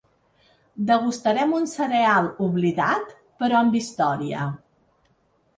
Degustarem un cereal oblidat, però amb història.